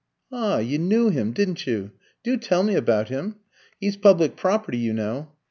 "Ah! you knew him, didn't you? Do tell me about him. He's public property, you know."